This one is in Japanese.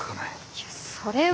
いやそれは。